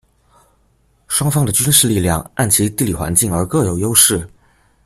双方的军事力量按其地理环境而各有优势。